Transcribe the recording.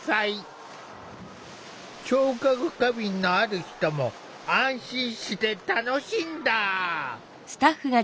聴覚過敏のある人も安心して楽しんだ。